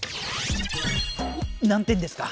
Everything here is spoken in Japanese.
何点ですか？